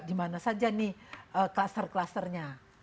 di mana saja nih kluster klusternya